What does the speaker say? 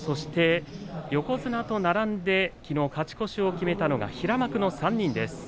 横綱と並んで勝ち越しを決めたのが平幕の３人です。